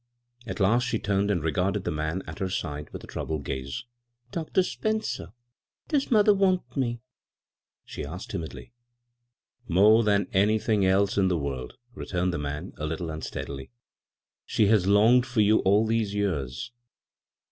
At last she turned and regarded the man at her side with a troubled gaze. " Dr. Spencer, does mother — want — me?" she asked timidly. " More ihan anything else in the world," returned the man, a little unsteadily. " She has longed for you all these years."